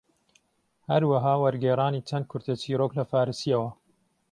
هەروەها وەرگێڕانی چەند کورتە چیرۆک لە فارسییەوە